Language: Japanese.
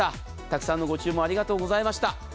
たくさんのご注文ありがとうございました。